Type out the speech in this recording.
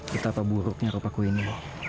betapa buruknya rupaku ini